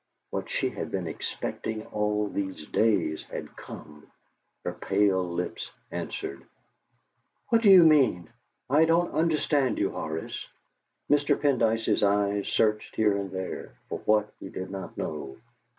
What she had been expecting all these days had come! Her pale lips answered: "What do you mean? I don't understand you, Horace." Mr. Pendyce's eyes searched here and there for what, he did not know.